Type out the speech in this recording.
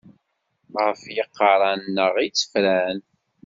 Ɣef yiqerra-nneɣ i tt-fran.